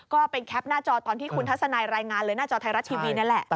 ก็เป็นแคปหน้าจอตอนที่คุณทัศนายรายงานเลยหน้าจอไทยรัฐทีวีนี่แหละ